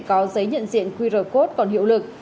có giấy nhận diện qr code còn hiệu lực